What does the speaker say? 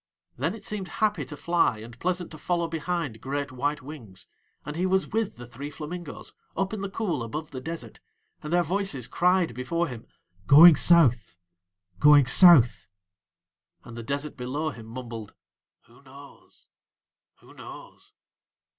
Then it seemed happy to fly and pleasant to follow behind great white wings, and he was with the three flamingoes up in the cool above the desert, and their voices cried before him: "Going South, Going South," and the desert below him mumbled: "Who knows? Who knows?"